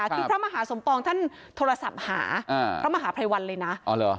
คือพระมหาสมปองท่านโทรศัพท์หาพระมหาภัยวันเลยนะ